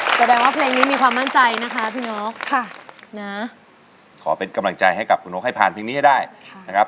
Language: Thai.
แสดงว่าเพลงนี้มีความมั่นใจนะคะพี่นกค่ะนะขอเป็นกำลังใจให้กับคุณนกให้ผ่านเพลงนี้ให้ได้นะครับ